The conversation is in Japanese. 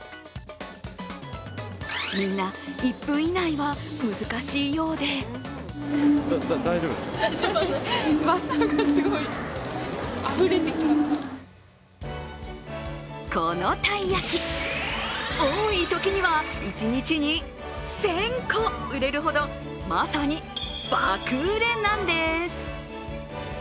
みんな、１分以内は難しいようでこのたい焼き、多いときには一日に１０００個売れるほどまさに爆売れなんです。